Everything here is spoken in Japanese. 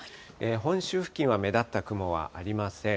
本州付近は目立った雲はありません。